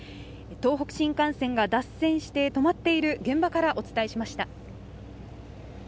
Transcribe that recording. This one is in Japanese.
東北新幹線が脱線して止まっている現場からお伝えしました。